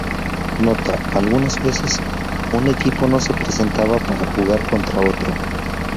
Nota: algunas veces, un equipo no se presentaba para jugar contra otro.